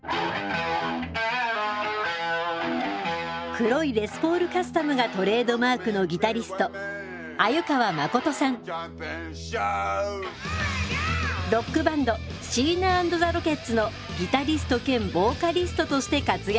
黒いレス・ポール・カスタムがトレードマークのロックバンドシーナ＆ザ・ロケッツのギタリスト兼ボーカリストとして活躍。